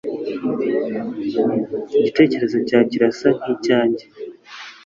Igitekerezo cya kirasa nkicyanjye.